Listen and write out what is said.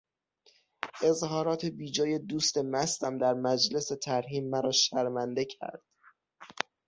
اظهارات بیجای دوست مستم در مجلس ترحیم مرا شرمنده کرد.